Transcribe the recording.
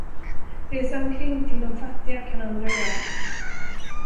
Resa omkring till de fattiga kan andra göra.